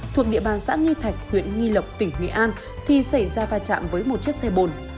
thuộc địa bàn xã nghi thạch huyện nghi lộc tỉnh nghệ an thì xảy ra va chạm với một chiếc xe bồn